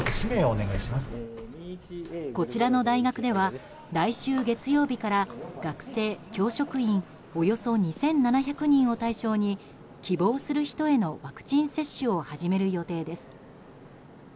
こちらの大学では来週月曜日から学生、教職員およそ２７００人を対象に希望する人へのワクチン接種を始める予定です。